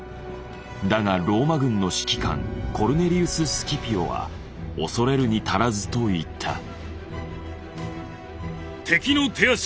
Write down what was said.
だがローマ軍の指揮官コルネリウス・スキピオは恐れるに足らずと言った。